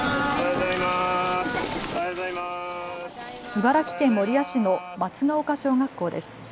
茨城県守谷市の松ケ丘小学校です。